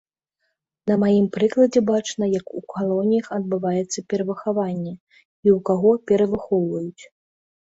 На маім прыкладзе бачна, як у калоніях адбываецца перавыхаванне і ў каго перавыхоўваюць.